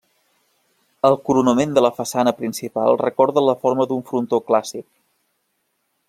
El coronament de la façana principal recorda la forma d'un frontó clàssic.